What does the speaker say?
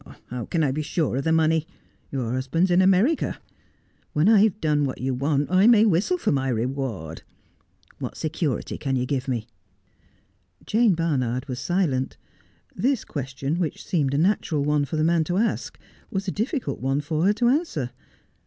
' How can I be sure of the money ? Your husband's in America. When I've done what you want I may whistle for mv reward. What security can you give me ?'/ must bide my Time. 247 Jane Barnard was silent. This question, which seemed a natural one for the man to ask, was a difficult one for her to answer.